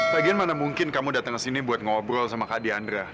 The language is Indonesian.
lagian mana mungkin kamu datang kesini buat ngobrol sama kak diandra